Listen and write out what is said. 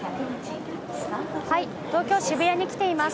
東京・渋谷に来ています。